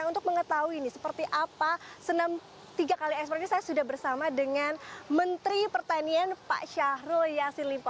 untuk mengetahui seperti apa senam tiga kali ekspor ini saya sudah bersama dengan menteri pertanian pak syahrul yassin limpo